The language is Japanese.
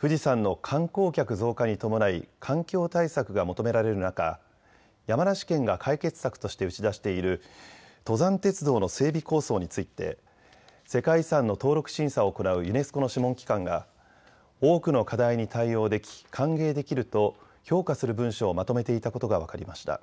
富士山の観光客増加に伴い環境対策が求められる中、山梨県が解決策として打ち出している登山鉄道の整備構想について世界遺産の登録審査を行うユネスコの諮問機関が多くの課題に対応でき歓迎できると評価する文書をまとめていたことが分かりました。